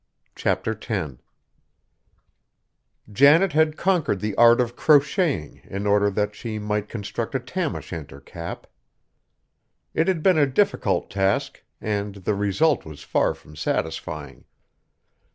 CHAPTER X Janet had conquered the art of crocheting in order that she might construct a Tam o' Shanter cap. It had been a difficult task, and the result was far from satisfying.